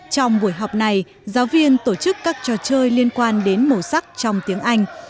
trong buổi học này giáo viên tổ chức các trò chơi liên quan đến màu sắc trong tiếng anh